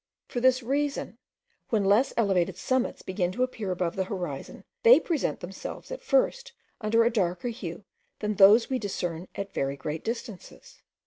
For this reason, when less elevated summits begin to appear above the horizon, they present themselves at first under a darker hue than those we discern at very great distances.